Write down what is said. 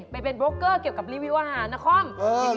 ไปเป็นโบรกเกอร์เกี่ยวกับรีวิวอาหารนคร